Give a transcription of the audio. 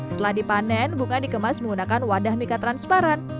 setelah dipanen bunga dikemas menggunakan wadah mika transparan